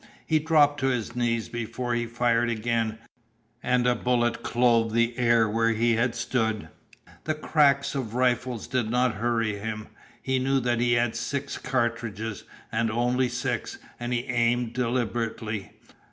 He dropped to his knees before he fired again, and a bullet clove the air where he had stood. The crack of rifles did not hurry him. He knew that he had six cartridges, and only six, and he aimed deliberately.